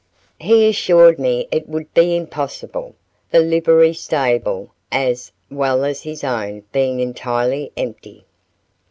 He assured me it would be impossible, the livery stable as well as his own being entirely empty.